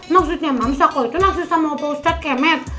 maksudnya mams aku itu naksir sama opa ustadz kemet